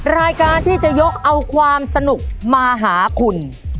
รายการที่จะยกเอาความสนุกมาหาคุณ